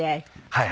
はい。